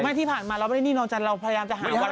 ไม่ที่ผ่านมาเราไม่ได้นี่นอนจันทร์เราพยายามจะหาวันเวลาไป